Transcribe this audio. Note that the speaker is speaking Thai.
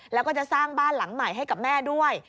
แล้วก็จะสร้างบ้านหลังใหม่ให้กับแม่ด้วย